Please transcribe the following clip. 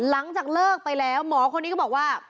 หลังจากเลิกไปแล้วหมอคนนี้ก็บอกว่า